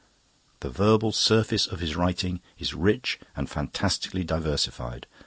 The verbal surface of his writing is rich and fantastically diversified.